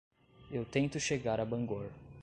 Eu tento chegar a Bangor.